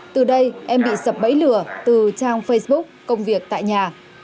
từ đây em bị sập bẫy lừa từ trang facebook công việc tại nhà